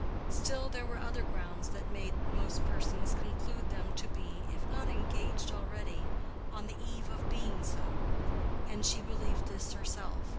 Still there were other grounds that made most persons conclude them to be, if not engaged already, on the eve of being so. And she believed this herself.